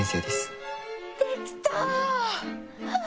できた！